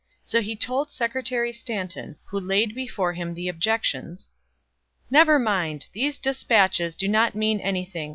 So he told Secretary Stanton, who laid before him the objections: "Never mind! These despatches do not mean anything.